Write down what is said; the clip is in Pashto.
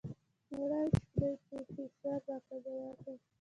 واړه عشق دی چې يې سر راته ګياه کړ.